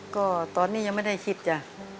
ก็ตอนนี้ยังไม่ได้คิดจ้ะ